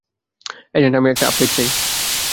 Agent, আমি একটা update চাই।